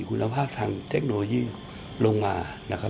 คุณภาพทางเทคโนโลยีลงมา